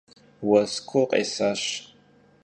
Vues kuu khesaş.